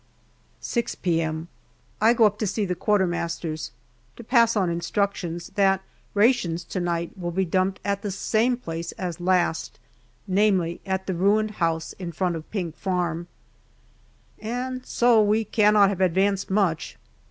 6 p.m. I go up to see the Quartermasters, to pass on instructions that rations to night will be dumped at the same place as last, namely at the ruined house in front of Pink Farm and so we cannot have advanced much.